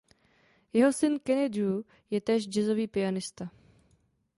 Jeho syn Kenny Drew je též jazzový pianista.